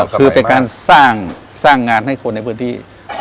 คือเป็นการสร้างงานให้คนในพื้นที่